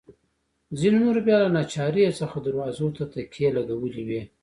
ځینو نورو بیا له ناچارۍ څخه دروازو ته تکیې لګولي وې.